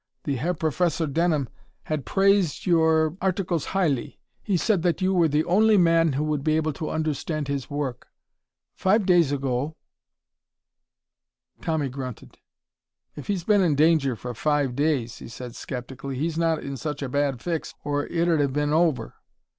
The Herr Professor Denham had praised your articles highly. He said that you were the only man who would be able to understand his work. Five days ago " Tommy grunted. "If he's been in danger for five days," he said skeptically, "he's not in such a bad fix or it'd have been over.